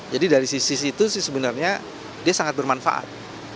jadi dari sisi itu sebenarnya dia sangat bermanfaat